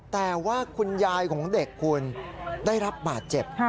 แต่ว่าคุณยายของเด็กคุณได้รับบาดเจ็บ